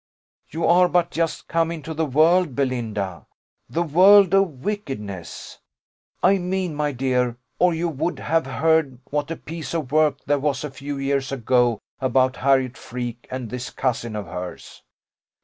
You are but just come into the world, Belinda the world of wickedness, I mean, my dear, or you would have heard what a piece of work there was a few years ago about Harriot Freke and this cousin of hers.